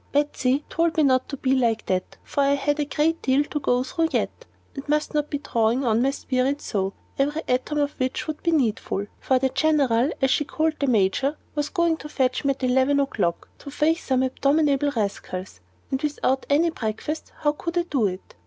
Betsy told me not to be like that, for I had a great deal to go through yet, and must not be drawing on my spirit so, every atom of which would be needful. For the General as she called the Major was coming to fetch me at eleven o'clock to face some abominable rascals, and without any breakfast how could I do it?